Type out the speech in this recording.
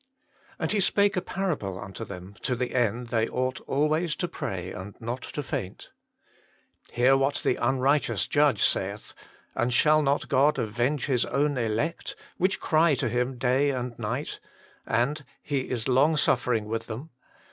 "And He spake a parable unto them, to the end, they ought always to pray and not to faint. ... Hear what the unrighteous judge saith. And shall not God avenge His own elect, which cry to Him day and night, and He is long suffering with them